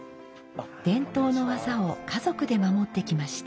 伝統の技を家族で守ってきました。